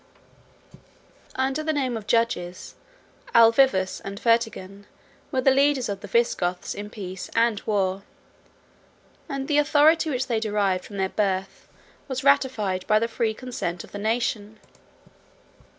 ] Under the name of Judges, Alavivus and Fritigern were the leaders of the Visigoths in peace and war; and the authority which they derived from their birth was ratified by the free consent of the nation.